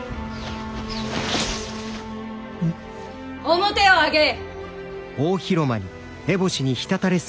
・面を上げい。